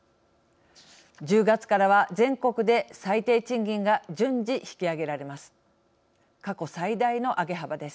１０月からは全国で最低賃金が順次、引き上げられます。